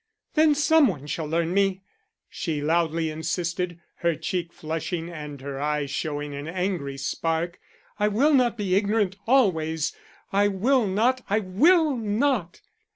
"Then some one shall learn me," she loudly insisted, her cheek flushing and her eye showing an angry spark. "I will not be ignorant always; I will not, I will not."